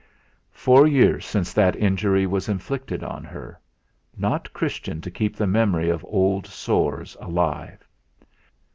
Four years since that injury was inflicted on her not Christian to keep the memory of old sores alive.